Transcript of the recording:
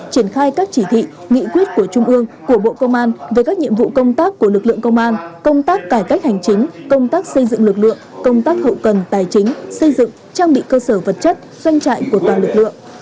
triển khai các chỉ thị nghị quyết của trung ương của bộ công an về các nhiệm vụ công tác của lực lượng công an công tác cải cách hành chính công tác xây dựng lực lượng công tác hậu cần tài chính xây dựng trang bị cơ sở vật chất doanh trại của toàn lực lượng